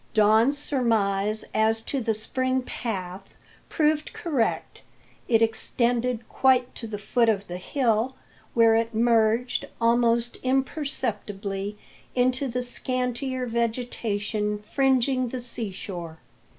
Don's surmise as to the spring path proved correct it extended quite to the foot of the hill, where it merged almost imperceptibly into the scantier vegetation fringing the sea shore.